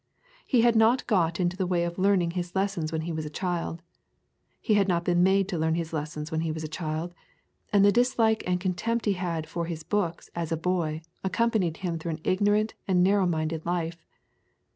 He had not got into the way of learning his lessons when he was a child; he had not been made to learn his lessons when he was a child; and the dislike and contempt he had for his books as a boy accompanied him through an ignorant and a narrow minded life.